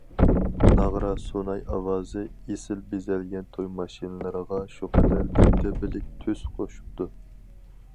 ناغرا سۇناي ئاۋازى ئېسىل بېزەلگەن توي ماشىنىلىرىغا شۇ قەدەر دەبدەبىلىك تۈس قوشۇپتۇ.